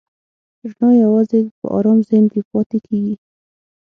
رڼا یواځې په آرام ذهن کې پاتې کېږي.